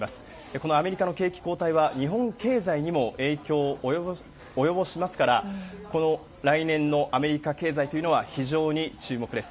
このアメリカの景気後退は、日本経済にも影響を及ぼしますから、来年のアメリカ経済というのは、非常に注目です。